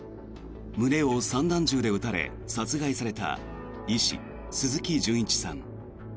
胸を散弾銃で撃たれ殺害された医師、鈴木純一さん。